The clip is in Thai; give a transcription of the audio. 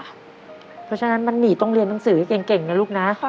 เพราะฉะนั้นมันหนีต้องเรียนหนังสือให้เก่งนะลูกนะ